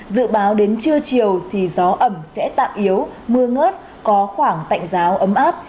dự báo đến trưa chiều thì gió ẩm sẽ tạm yếu mưa ngớt có khoảng tạnh giáo ấm áp